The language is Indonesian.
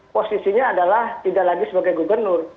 posisinya adalah tidak lagi sebagai gubernur